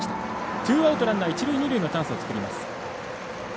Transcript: ツーアウト、ランナー、一塁二塁チャンスを作ります。